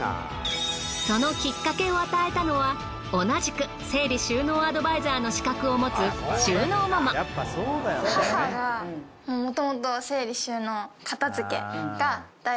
そのきっかけを与えたのは同じく整理収納アドバイザーの資格を持つ収納ママ。って思って。